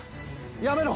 やめろ。